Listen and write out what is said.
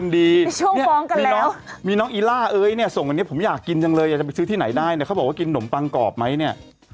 เดี๋ยวเขาส่งมาให้มีคนส่งมาให้